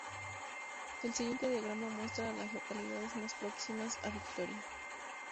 El siguiente diagrama muestra a las localidades más próximas a Victoria.